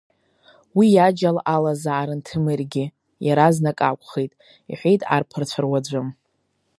Уи иаџьал алазаарын Ҭемыргьы, иаразнак акәхеит, — иҳәеит арԥарацәа руаӡәы.